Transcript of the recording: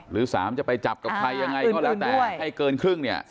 หรือ๓จะไปจับกับใครยังไงก็แล้วแต่ให้เกินครึ่งเนี่ย